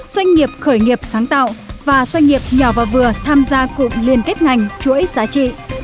doanh nghiệp khởi nghiệp sáng tạo và doanh nghiệp nhỏ và vừa tham gia cụm liên kết ngành chuỗi giá trị